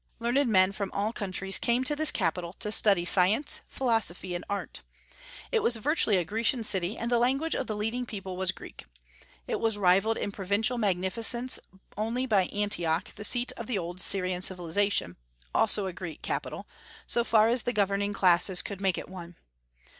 Learned men from all countries came to this capital to study science, philosophy, and art. It was virtually a Grecian city, and the language of the leading people was Greek. It was rivalled in provincial magnificence only by Antioch, the seat of the old Syrian civilization, also a Greek capital, so far as the governing classes could make it one.